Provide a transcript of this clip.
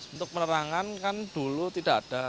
untuk penerangan kan dulu tidak ada